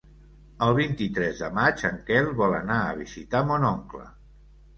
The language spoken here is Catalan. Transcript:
El vint-i-tres de maig en Quel vol anar a visitar mon oncle.